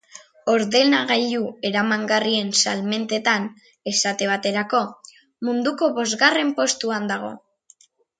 Ordenagailu eramangarrien salmentetan, esate baterako, munduko bosgarren postuan dago.